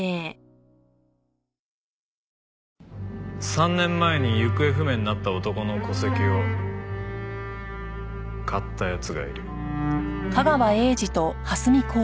３年前に行方不明になった男の戸籍を買った奴がいる。